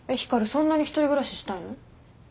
そんなに１人暮らししたいの？